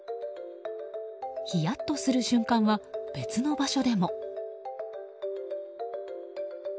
ひやっとする瞬間は別の場所でも。